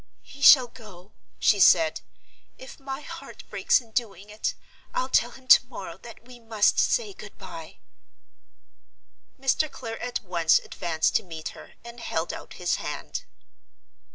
"He shall go," she said. "If my heart breaks in doing it, I'll tell him to morrow that we must say Good by!" Mr. Clare at once advanced to meet her, and held out his hand.